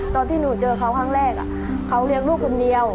ตอนที่หนูเจอเขาครั้งแรกเขาเลี้ยงลูกคนเดียว